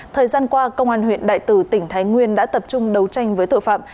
thời gian qua công an huyện đại tử tỉnh thái nguyên đã tập trung đấu tranh với tội phạm